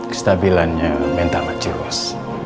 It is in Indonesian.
kestabilannya mental makcik ros